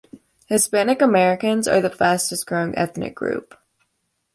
Hispanic Americans are the fastest growing ethnic group.